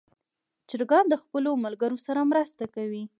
چرګان د خپلو ملګرو سره مرسته کوي.